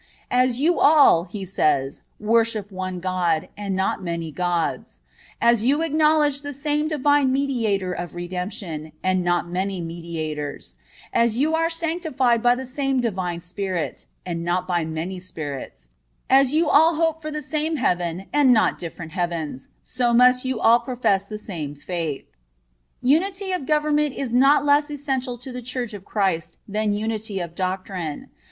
(18) As you all, he says, worship one God, and not many gods; as you acknowledge the same Divine Mediator of redemption, and not many mediators; as you are sanctified by the same Divine Spirit, and not by many spirits; as you all hope for the same heaven, and not different heavens, so must you all profess the same faith. Unity of government is not less essential to the Church of Christ than unity of doctrine.